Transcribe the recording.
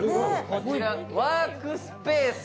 こちらワークスペース。